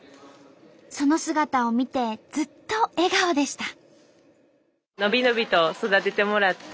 その姿を見てずっと笑顔でした。